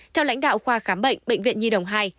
theo lãnh đạo khoa khám bệnh bệnh viện nhi đồng hai